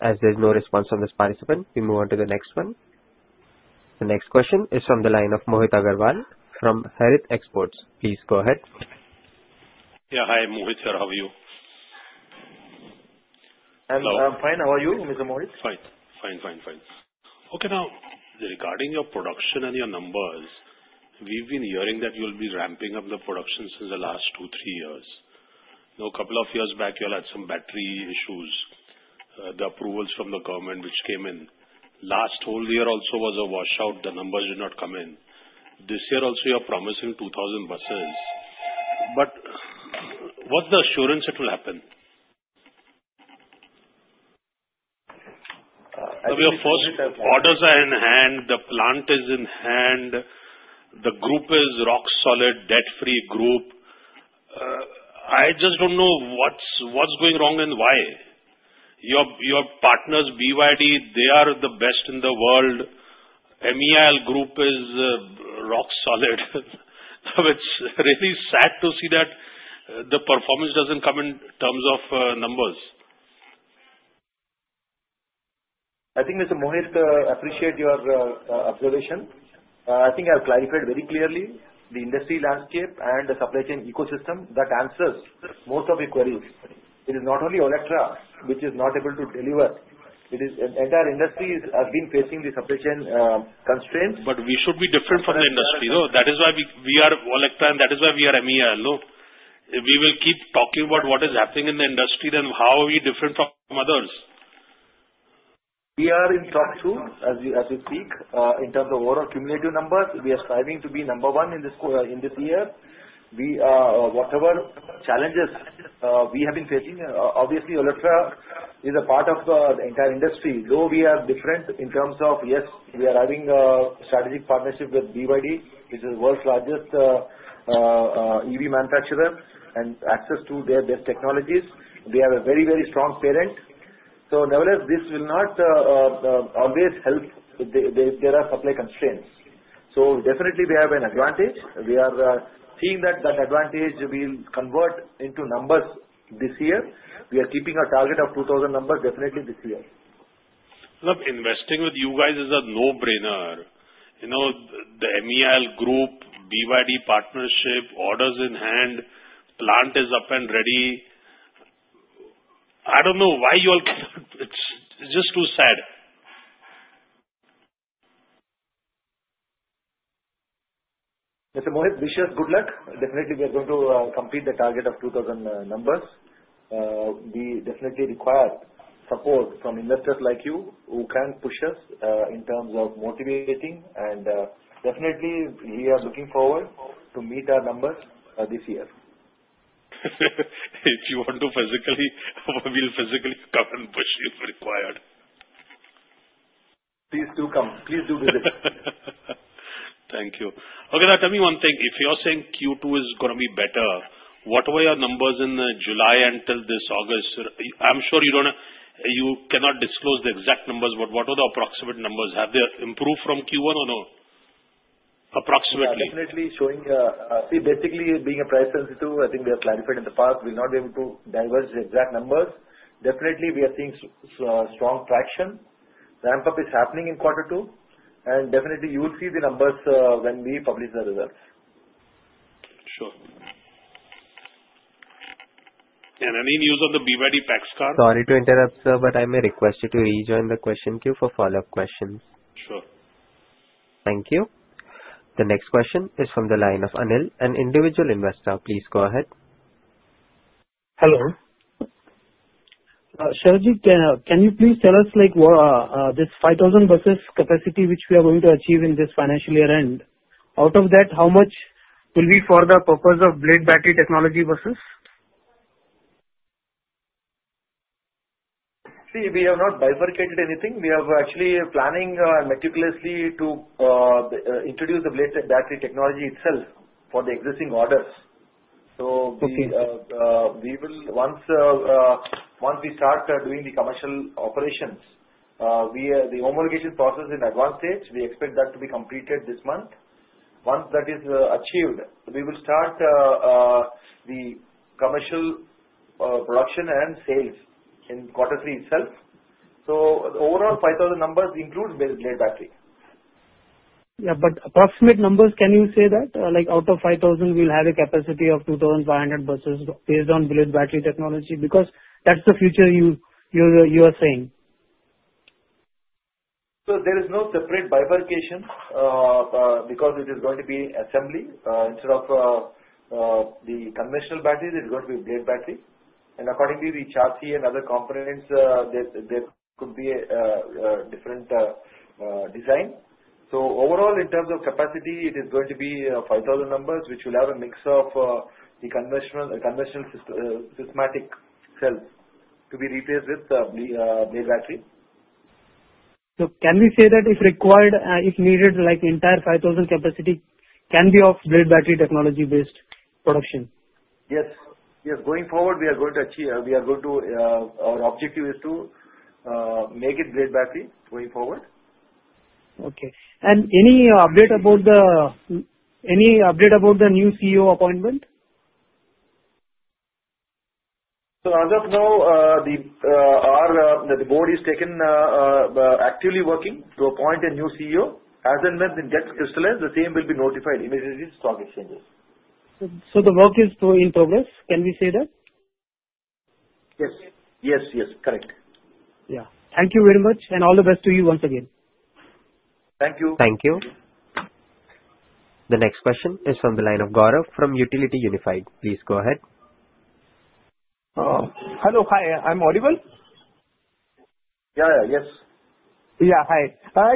As there's no response from this participant, we move on to the next one. The next question is from the line of Mohit Agarwal from Harit Exports. Please go ahead. Yeah. Hi, Mohit sir. How are you? I'm fine. How are you, Mr. Mohit? Fine. Okay. Now, regarding your production and your numbers, we've been hearing that you'll be ramping up the production since the last two, three years. Now, a couple of years back, you all had some battery issues, the approvals from the government which came in. Last whole year also was a washout. The numbers did not come in. This year also, you are promising 2,000 buses. But what's the assurance it will happen? Now, your first orders are in hand. The plant is in hand. The group is rock solid, debt-free group. I just don't know what's going wrong and why. Your partners, BYD, they are the best in the world. MEIL group is rock solid. It's really sad to see that the performance doesn't come in terms of numbers. I think, Mr. Mohit, appreciate your observation. I think I've clarified very clearly the industry landscape and the supply chain ecosystem that answers most of your queries. It is not only Olectra which is not able to deliver. It is the entire industry has been facing the supply chain constraints. But we should be different from the industry. So that is why we are Olectra, and that is why we are MEIL. We will keep talking about what is happening in the industry and how are we different from others. We are in top two as we speak in terms of overall cumulative numbers. We are striving to be number one in this year. Whatever challenges we have been facing, obviously, Olectra is a part of the entire industry. Though we are different in terms of, yes, we are having a strategic partnership with BYD, which is the world's largest EV manufacturer and access to their best technologies. We have a very, very strong parent. So nevertheless, this will not always help if there are supply constraints. So definitely, we have an advantage. We are seeing that that advantage will convert into numbers this year. We are keeping a target of 2,000 numbers definitely this year. Look, investing with you guys is a no-brainer. The MEIL group, BYD partnership, orders in hand, plant is up and ready. I don't know why you all, it's just too sad. Mr. Mohit, wish us good luck. Definitely, we are going to complete the target of 2,000 numbers. We definitely require support from investors like you who can push us in terms of motivating, and definitely, we are looking forward to meet our numbers this year. If you want to physically, we'll physically come and push you if required. Please do come. Please do visit. Thank you. Okay. Now, tell me one thing. If you're saying Q2 is going to be better, what were your numbers in July until this August? I'm sure you cannot disclose the exact numbers, but what were the approximate numbers? Have they improved from Q1 or no? Approximately. Definitely showing basically being a price sensitive, I think we have clarified in the past, we will not be able to divulge the exact numbers. Definitely, we are seeing strong traction. Ramp-up is happening in quarter two, and definitely, you will see the numbers when we publish the results. Sure. And any news on the BYD PAX car? Sorry to interrupt, sir, but I may request you to rejoin the question queue for follow-up questions. Sure. Thank you. The next question is from the line of Anil, an individual investor. Please go ahead. Hello. Sharat ji, can you please tell us this 5,000 buses capacity which we are going to achieve in this financial year end? Out of that, how much will be for the purpose of Blade Battery technology buses? See, we have not bifurcated anything. We are actually planning meticulously to introduce the Blade Battery technology itself for the existing orders. So once we start doing the commercial operations, the homologation process is in advanced stage. We expect that to be completed this month. Once that is achieved, we will start the commercial production and sales in quarter three itself. So the overall 5,000 numbers include Blade Battery. Yeah. But approximate numbers, can you say that out of 5,000, we'll have a capacity of 2,500 buses based on Blade Battery technology? Because that's the future you are saying. So there is no separate bifurcation because it is going to be assembly. Instead of the conventional batteries, it is going to be Blade Battery. And accordingly, the chassis and other components, there could be a different design. So overall, in terms of capacity, it is going to be 5,000 numbers, which will have a mix of the conventional cylindrical cells to be replaced with Blade Battery. Can we say that if required, if needed, the entire 5,000 capacity can be of Blade Battery technology-based production? Yes. Yes. Going forward, we are going to achieve. Our objective is to make it Blade Battery going forward. Okay. And any update about the new CEO appointment? So as of now, the board is actively working to appoint a new CEO. As that gets crystallized, the same will be notified immediately to stock exchanges. So the work is in progress. Can we say that? Yes. Yes. Yes. Correct. Yeah. Thank you very much. And all the best to you once again. Thank you. Thank you. The next question is from the line of Gaurav from Unifi Capital. Please go ahead. Hello. Hi. I'm Audible. Yeah. Yeah. Yes. Yeah. Hi.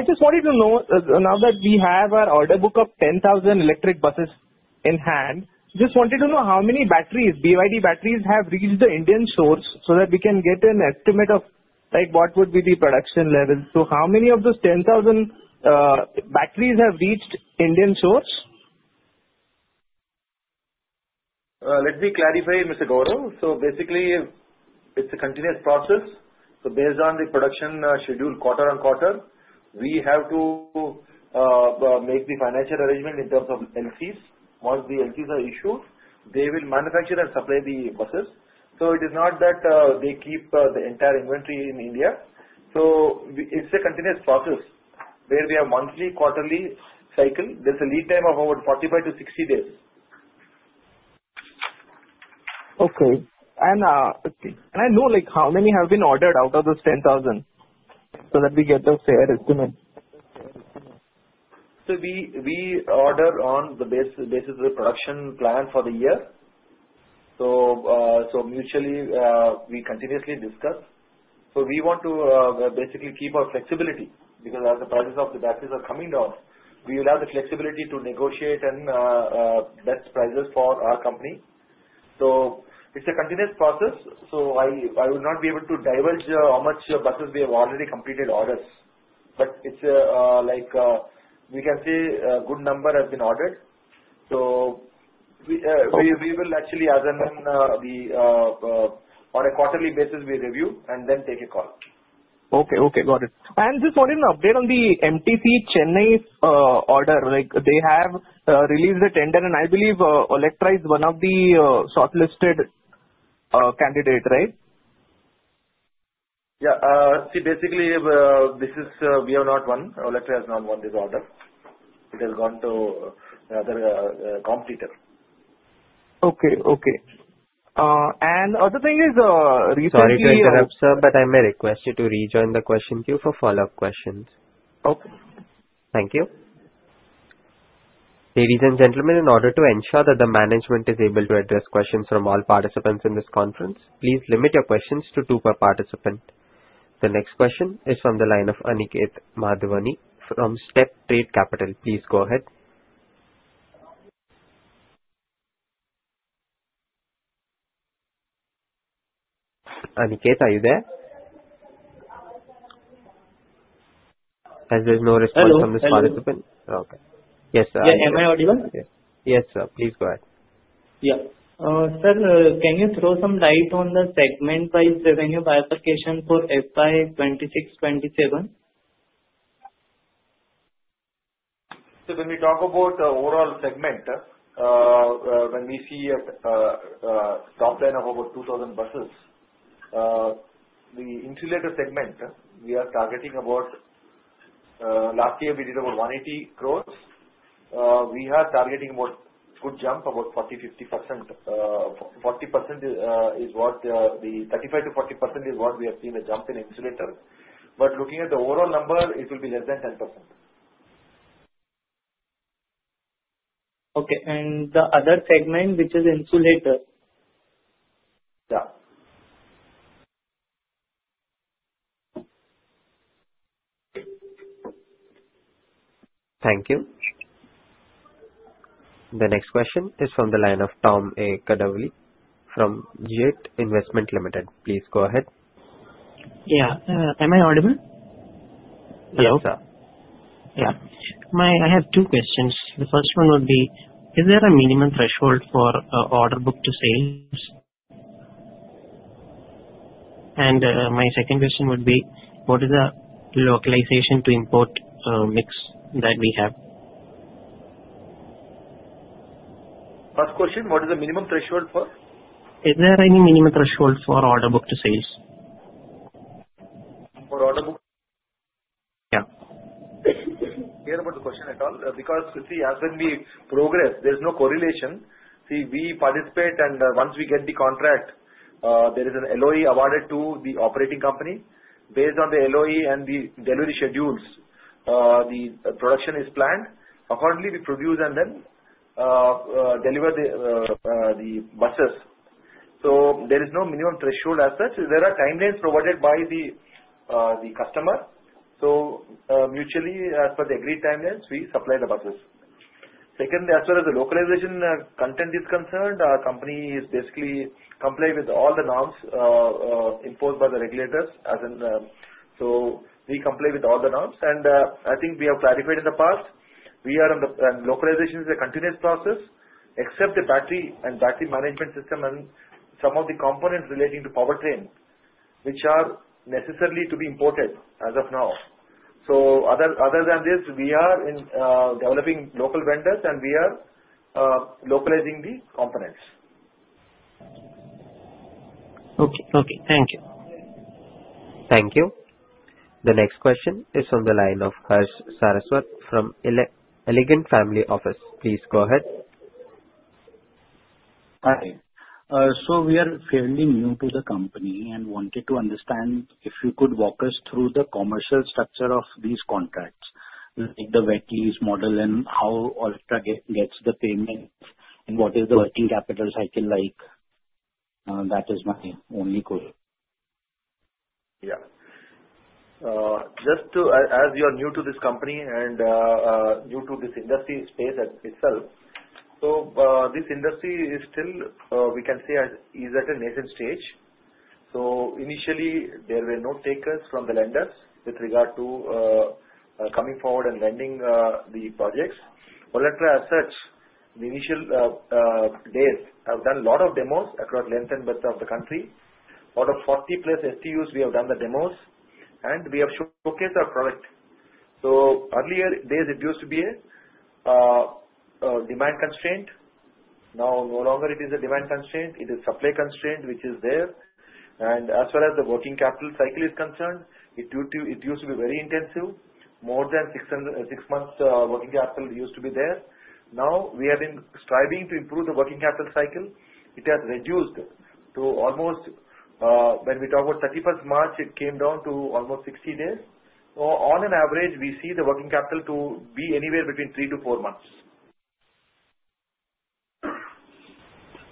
I just wanted to know, now that we have our order book of 10,000 electric buses in hand, just wanted to know how many batteries, BYD batteries, have reached the Indian shores so that we can get an estimate of what would be the production level. So how many of those 10,000 batteries have reached Indian shores? Let me clarify, Mr. Gaurav. So basically, it's a continuous process. So based on the production schedule, quarter on quarter, we have to make the financial arrangement in terms of LCs. Once the LCs are issued, they will manufacture and supply the buses. So it is not that they keep the entire inventory in India. So it's a continuous process where we have monthly, quarterly cycle. There's a lead time of about 45-60 days. Okay, and I know how many have been ordered out of those 10,000 so that we get a fair estimate. So we order on the basis of the production plan for the year. So mutually, we continuously discuss. So we want to basically keep our flexibility because as the prices of the batteries are coming down, we will have the flexibility to negotiate and best prices for our company. So it's a continuous process. So I will not be able to divulge how much buses we have already completed orders. But we can say a good number has been ordered. So we will actually, as in on a quarterly basis, we review and then take a call. Okay. Okay. Got it. And just wanted an update on the MTC Chennai order. They have released a tender, and I believe Olectra is one of the shortlisted candidates, right? Yeah. See, basically, we have not won. Olectra has not won this order. It has gone to another competitor. Okay. Okay. And the other thing is recently. Sorry to interrupt, sir, but I may request you to rejoin the question queue for follow-up questions. Okay. Thank you. Ladies and gentlemen, in order to ensure that the management is able to address questions from all participants in this conference, please limit your questions to two per participant. The next question is from the line of Aniket Madhvani from StepTrade Capital. Please go ahead. Aniket, are you there? As there's no response from this participant. Yes. Okay. Yes, sir. Yeah. Am I audible? Yes, sir. Please go ahead. Yeah. Sir, can you throw some light on the segment-wise revenue bifurcation for FY 2026-27? So when we talk about the overall segment, when we see a top line of about 2,000 buses, the insulator segment, we are targeting about last year, we did about 180 crores. We are targeting about a good jump, about 40-50%. 40% is what the 35-40% is what we have seen a jump in insulator. But looking at the overall number, it will be less than 10%. Okay, and the other segment, which is insulator. Yeah. Thank you. The next question is from the line of Tom A. Kadavli from Jet Investment Limited. Please go ahead. Yeah. Am I audible? Yes, sir. Yeah. I have two questions. The first one would be, is there a minimum threshold for order book to sales? And my second question would be, what is the localization to import mix that we have? First question, what is the minimum threshold for? Is there any minimum threshold for order book to sales? For order book? Yeah. clear about the question at all. Because you see, as and when we progress, there's no correlation. See, we participate, and once we get the contract, there is an LOA awarded to the operating company. Based on the LOA and the delivery schedules, the production is planned. Accordingly, we produce and then deliver the buses. So there is no minimum threshold as such. There are timelines provided by the customer. So mutually, as per the agreed timelines, we supply the buses. Secondly, as far as the localization content is concerned, our company basically complies with all the norms imposed by the regulators. So we comply with all the norms. And I think we have clarified in the past, localization is a continuous process, except the battery and battery management system and some of the components relating to powertrain, which are necessary to be imported as of now. So other than this, we are developing local vendors, and we are localizing the components. Okay. Okay. Thank you. Thank you. The next question is from the line of Harsh Saraswat from Elegant Family Office. Please go ahead. Hi. So we are fairly new to the company and wanted to understand if you could walk us through the commercial structure of these contracts, like the wet lease model and how Olectra gets the payment and what is the working capital cycle like. That is my only question. Yeah. Just as you are new to this company and new to this industry space itself, so this industry is still, we can say, at a nascent stage. Initially, there were no takers from the lenders with regard to coming forward and lending the projects. Olectra as such, the initial days have done a lot of demos across length and breadth of the country. Out of 40 plus STUs, we have done the demos, and we have showcased our product. Earlier days, it used to be a demand constraint. Now, no longer it is a demand constraint. It is a supply constraint which is there. As far as the working capital cycle is concerned, it used to be very intensive. More than six months' working capital used to be there. Now, we have been striving to improve the working capital cycle. It has reduced to almost, when we talk about 31st March, it came down to almost 60 days. So on an average, we see the working capital to be anywhere between three to four months.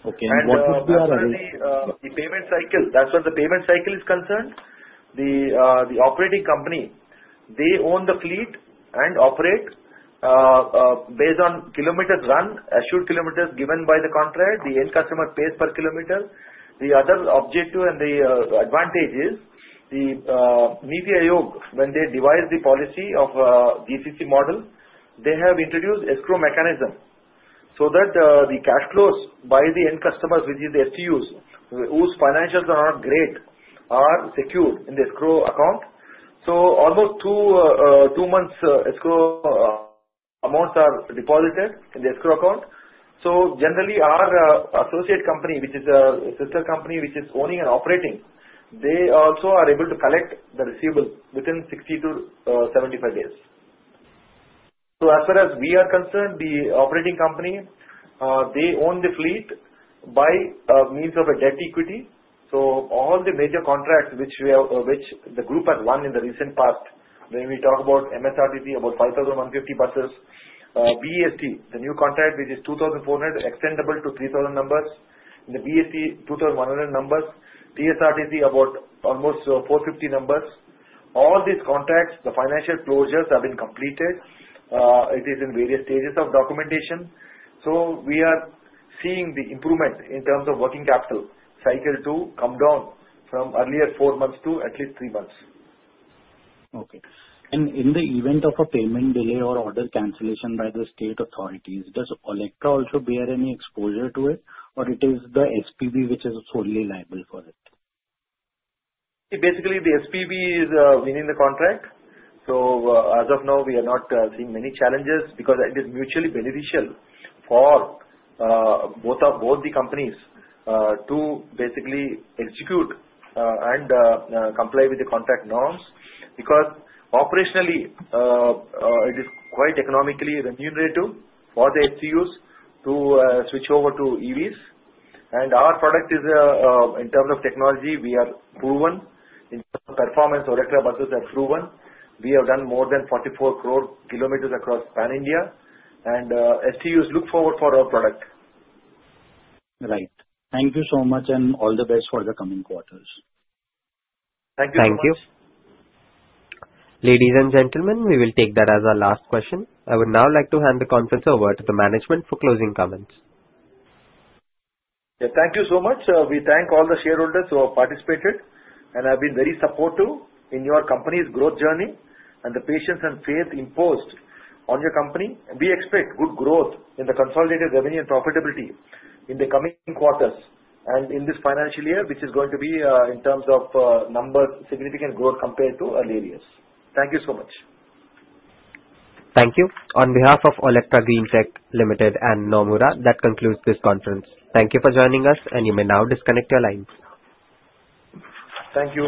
Okay. And what was the other? The payment cycle, as far as the payment cycle is concerned, the operating company, they own the fleet and operate based on kilometers run, assured kilometers given by the contract. The end customer pays per kilometer. The other objective and the advantage is the NITI Aayog, when they devised the policy of GCC model, they have introduced escrow mechanism so that the cash flows by the end customers, which is the STUs, whose financials are not great, are secured in the escrow account. So almost two months' escrow amounts are deposited in the escrow account. So generally, our associate company, which is a sister company which is owning and operating, they also are able to collect the receivable within 60-75 days. So as far as we are concerned, the operating company, they own the fleet by means of a debt equity. All the major contracts which the group has won in the recent past, when we talk about MSRTC, about 5,150 buses, BEST, the new contract, which is 2,400, extendable to 3,000 numbers, the BEST, 2,100 numbers, TSRTC, about almost 450 numbers. All these contracts, the financial closures have been completed. It is in various stages of documentation. We are seeing the improvement in terms of working capital cycle to come down from earlier four months to at least three months. Okay. And in the event of a payment delay or order cancellation by the state authorities, does Olectra also bear any exposure to it, or it is the SPV which is solely liable for it? Basically, the SPV is winning the contract. So as of now, we are not seeing many challenges because it is mutually beneficial for both of the companies to basically execute and comply with the contract norms because operationally, it is quite economically remunerative for the STUs to switch over to EVs. And our product is, in terms of technology, we are proven. In terms of performance, Olectra buses have proven. We have done more than 44 crore kilometers across Pan India, and STUs look forward for our product. Right. Thank you so much, and all the best for the coming quarters. Thank you. Thank you. Ladies and gentlemen, we will take that as our last question. I would now like to hand the conference over to the management for closing comments. Yeah. Thank you so much. We thank all the shareholders who have participated and have been very supportive in your company's growth journey and the patience and faith imposed on your company. We expect good growth in the consolidated revenue and profitability in the coming quarters and in this financial year, which is going to be, in terms of numbers, significant growth compared to earlier years. Thank you so much. Thank you. On behalf of Olectra Greentech Limited and Nomura, that concludes this conference. Thank you for joining us, and you may now disconnect your lines. Thank you.